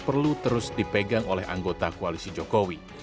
perlu terus dipegang oleh anggota koalisi jokowi